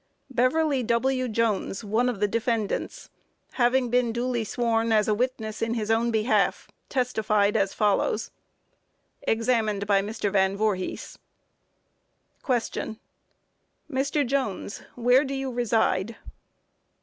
BEVERLY W. JONES, one of the defendants, having been duly sworn as a witness in his own behalf, testified as follows: Examined by MR. VAN VOORHIS. Q. Mr. Jones, where do you reside?